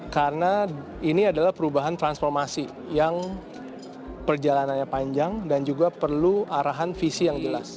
karena ini adalah perubahan transformasi yang perjalanannya panjang dan juga perlu arahan visi yang jelas